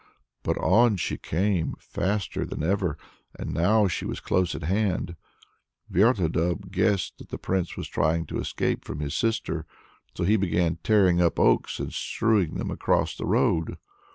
But on she came faster than ever; and now she was close at hand! Vertodub guessed that the Prince was trying to escape from his sister. So he began tearing up oaks and strewing them across the road.